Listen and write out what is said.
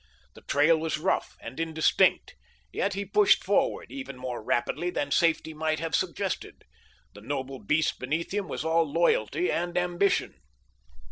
The trail was rough and indistinct, yet he pushed forward, even more rapidly than safety might have suggested. The noble beast beneath him was all loyalty and ambition.